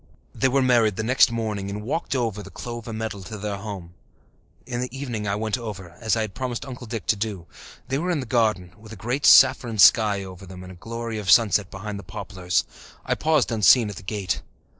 They were married the next morning and walked together over the clover meadow to their home. In the evening I went over, as I had promised Uncle Dick to do. They were in the garden, with a great saffron sky over them and a glory of sunset behind the poplars. I paused unseen at the gate.